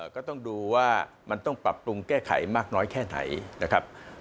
ก็ต้องดูว่ามันต้องปรับปรุงแก้ไขมากน้อยแค่ไหนนะครับ